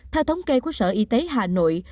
theo thống kê của sở y tế hà nội